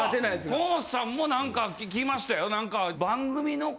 河本さんもなんか聞きましたよ。